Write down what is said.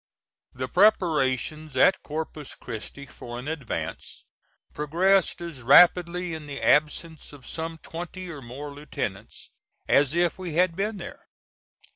The preparations at Corpus Christi for an advance progressed as rapidly in the absence of some twenty or more lieutenants as if we had been there.